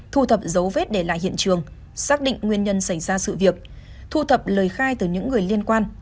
thu thập dấu vết để lại hiện trường xác định nguyên nhân xảy ra sự việc thu thập lời khai từ những người liên quan